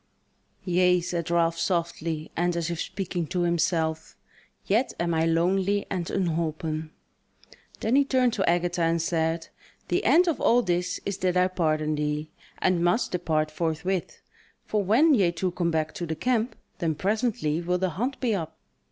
"Yea," said Ralph, softly, and as if speaking to himself, "yet am I lonely and unholpen." Then he turned to Agatha and said: "The end of all this is that I pardon thee, and must depart forthwith; for when ye two come back to the camp, then presently will the hunt be up."